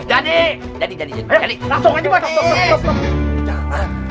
jadi jadi jadi jadi